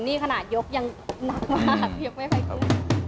นี่ขนาดยกยังหนักมากยกไม่ภายคู่